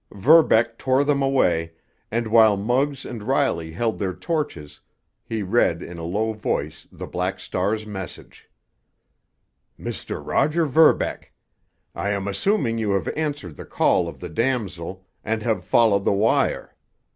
Verbeck tore them away, and while Muggs and Riley held their torches he read in a low voice the Black Star's message: "Mr. Roger Verbeck: I am assuming you have answered the call of the damsel and have followed the wire.